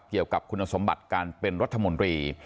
เกี่ยวกับคุณสมบัติการเป็นรัฐมนตรี